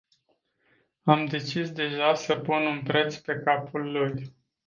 Am decis deja să pun un preț pe capul lui.